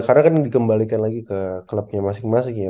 karena kan dikembalikan lagi ke klubnya masing masing ya